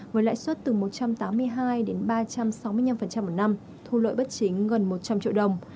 với lãi suất từ một trăm tám mươi hai đến ba trăm sáu mươi năm một năm thu lợi bất chính gần một trăm linh triệu đồng